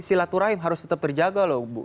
silaturahim harus tetap terjaga loh bu